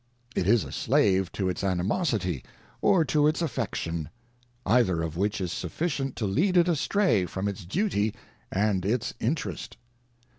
It is a slave to its animosity or to its affection, either of which is sufficient to lead it astray from its duty and its interest.